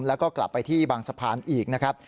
แล้วก็กลับไปที่บางสะพานอีกนะครับ